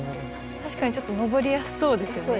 確かにちょっと登りやすそうですよね。